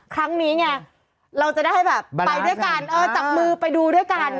ครั้งนี้ไงเราจะได้แบบไปด้วยกันเออจับมือไปดูด้วยกัน